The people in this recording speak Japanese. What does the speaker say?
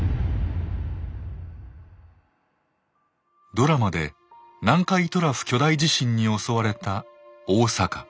ドラマで南海トラフ巨大地震に襲われた大阪。